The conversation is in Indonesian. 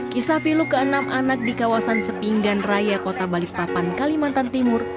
kisah pilu ke enam anak di kawasan sepinggan raya kota balikpapan kalimantan timur